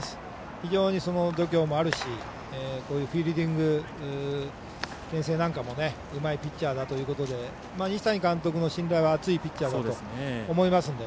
非常に度胸もあるしフィールディングけん制なんかもうまいピッチャーだということで西谷監督の信頼は厚いピッチャーだと思いますので。